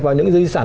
vào những dân sản